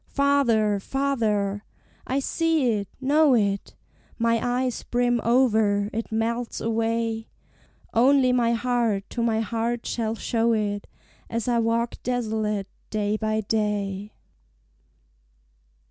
Farther, farther I see it know it My eyes brim over, it melts away: Only my heart to my heart shall show it, As I walk desolate day by day.